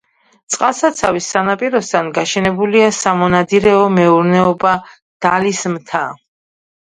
წყალსაცავის სანაპიროსთან გაშენებულია სამონადირეო მეურნეობა „დალის მთა“.